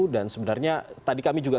sebenarnya tadi kami juga